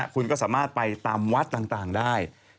คุณก็สามารถไปตามวัดต่างได้